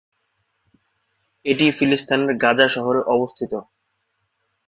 এটি ফিলিস্তিনের গাজা শহরে অবস্থিত।